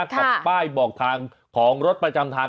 กับป้ายบอกทางของรถประจำทาง